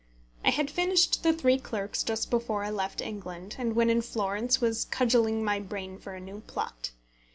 I had finished The Three Clerks just before I left England, and when in Florence was cudgelling my brain for a new plot.